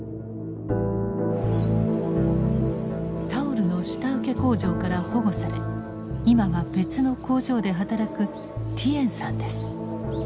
タオルの下請け工場から保護され今は別の工場で働くティエンさんです。